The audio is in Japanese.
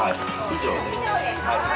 はい。